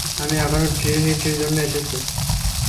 আমি এখানে ট্রিনিটির জন্য এসেছি।